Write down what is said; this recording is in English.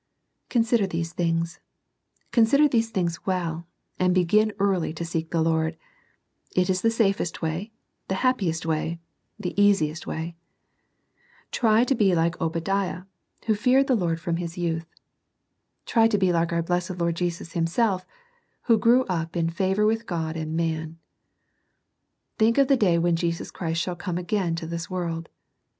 Consider these things, — consider these things well ; and begin early to seek the Lord. It is the safest way, the happiest way, the easiest way. Try to be like ObadiaS\^ \qV^ \ft»i^^ •^^'Vfs^^ 132 SERMONS FOR CHILDREN. from his youth. Try to be like our blessed Lord Jesus Christ Himself, who grew up ^^ in &vour with God and man." Think of the day when Jesus Christ shall came again to this world.